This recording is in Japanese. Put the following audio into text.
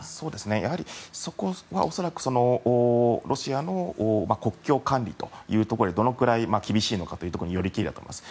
やはり、そこは恐らくロシアの国境管理というところでどのくらい厳しいのかによりけりだと思います。